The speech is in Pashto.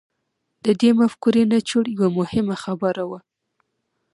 د دې مفکورې نچوړ يوه مهمه خبره وه.